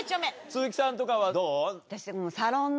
鈴木さんとかはどう？